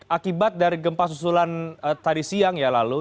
akibat dari gempa susulan tadi siang ya lalu